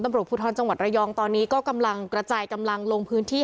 ตำรวจภูทรจังหวัดระยองตอนนี้ก็กำลังกระจายกำลังลงพื้นที่